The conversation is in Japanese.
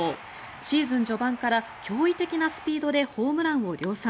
シーズン序盤から驚異的なスピードでホームランを量産。